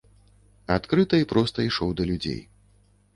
Адкрыта і проста ішоў да людзей.